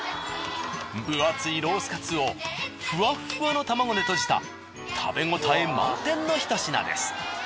分厚いロースカツをふわふわの卵でとじた食べ応え満点の一品です。